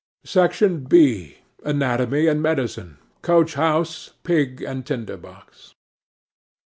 'SECTION B.—ANATOMY AND MEDICINE. COACH HOUSE, PIG AND TINDER BOX.